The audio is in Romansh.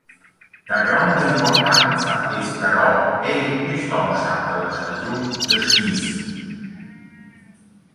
Da gronda importanza es però eir quist on statta la stagiun da skis.